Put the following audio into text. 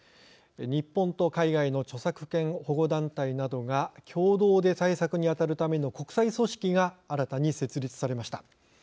日本と海外の著作権保護団体などが共同で対策にあたるための国際組織が新たに設立されました。